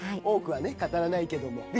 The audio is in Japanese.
多くはね語らないけども。